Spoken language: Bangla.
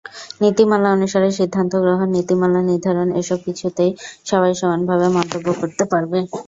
নীতিমালা অনুসারে সিদ্ধান্ত গ্রহণ, নীতিমালা নির্ধারন এসব কিছুতেই সবাই সমানভাবে মন্তব্য করতে পারবে।